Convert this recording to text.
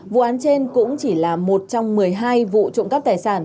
vụ án trên cũng chỉ là một trong một mươi hai vụ trộm cắp tài sản